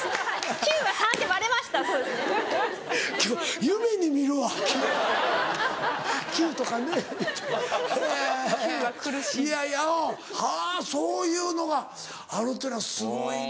・９は苦しい・はぁそういうのがあるっていうのはすごいな。